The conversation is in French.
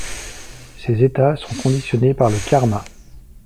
Ces états sont conditionnés par le karma.